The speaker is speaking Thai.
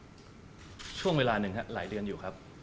ซักช่วงเวลานึงรายเรียนอยู่ครับ